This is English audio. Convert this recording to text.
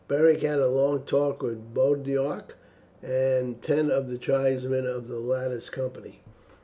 Beric had a long talk with Boduoc and ten of the tribesmen of the latter's company.